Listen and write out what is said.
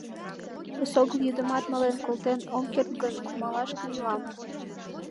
Эсогыл йӱдымат, мален колтен ом керт гын, кумалаш кынелам.